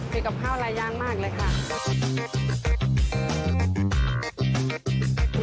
มีกับข้าวหลายอย่างมากเลยค่ะ